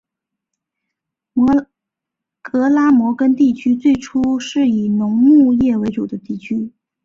格拉摩根地区最初是以农牧业为主的地区。